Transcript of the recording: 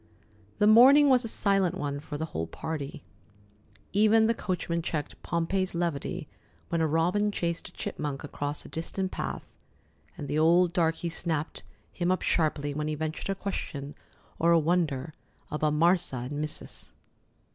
The morning was a silent one for the whole party. Even the coachman checked Pompey's levity when a robin chased a chipmunk across a distant path, and the old darkey snapped him up sharply when he ventured a question or a wonder about "Marsa" and "Missus."